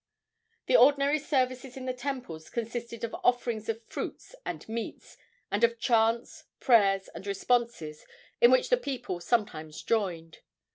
The ordinary services in the temples consisted of offerings of fruits and meats, and of chants, prayers and responses, in which the people sometimes joined.